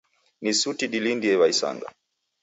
Ni suti dilindie w'aisanga.